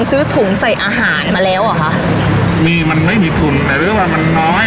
ซื้อถุงใส่อาหารมาแล้วหรอมีมันไม่มีทุนอะไรดูว่ามันน้อย